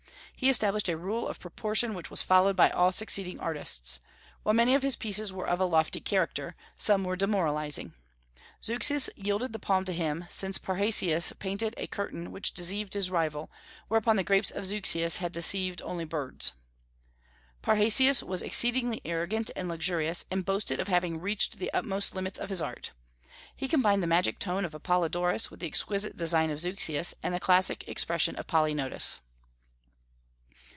He established a rule of proportion which was followed by all succeeding artists. While many of his pieces were of a lofty character, some were demoralizing. Zeuxis yielded the palm to him, since Parrhasius painted a curtain which deceived his rival, whereas the grapes of Zeuxis had deceived only birds. Parrhasius was exceedingly arrogant and luxurious, and boasted of having reached the utmost limits of his art. He combined the magic tone of Apollodorus with the exquisite design of Zeuxis and the classic expression of Polygnotus.